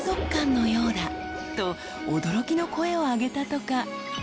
［と驚きの声を上げたとか］